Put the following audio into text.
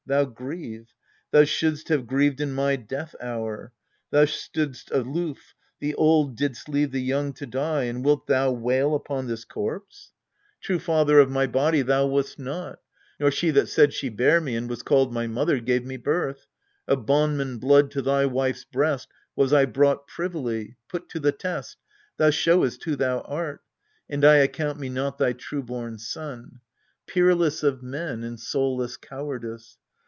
Thou grieve ! thou shouldst have grieved in my death hour ! Thou stoodst aloof the old, didst leave the young To die and wilt thou wail upon this corpse? 220 EURIPIDES True father of my body thou wast not ; Nor she that said she bare me, and was called My mother, gave me birth : of bondman blood To thy wife's breast was I brought privily, Put to the test, thou showedst who thou art, And I account me not thy true born son. Peerless of men in soulless cowardice